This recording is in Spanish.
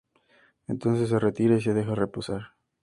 Entonces se retira y se deja reposar.